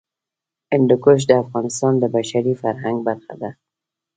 هندوکش د افغانستان د بشري فرهنګ برخه ده.